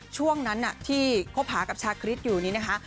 ช่วงนั้นที่คบหากับชาคริสอยู่นี่นะคะ